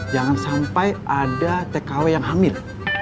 jangan sampai ada tkw yang hamil